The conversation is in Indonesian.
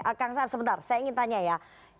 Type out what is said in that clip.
oke kang saar sebentar saya ingin tanya ya